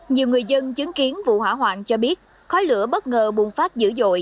nhiều người dân chứng kiến vụ hỏa hoạn cho biết khói lửa bất ngờ bùng phát dữ dội